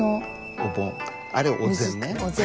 「お盆」あれ「お膳」ね。